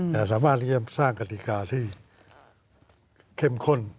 แต่สามารถที่จะสร้างกฎิกาที่เข้มข้น